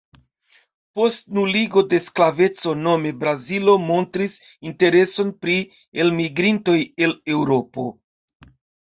Post nuligo de sklaveco nome Brazilo montris intereson pri elmigrintoj el Eŭropo.